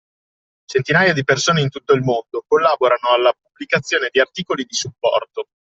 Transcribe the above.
Centinaia di persone in tutto il mondo collaborano alla pubblicazione di articoli di supporto